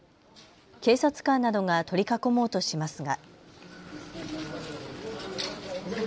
警察官などが取り囲もうとしますが。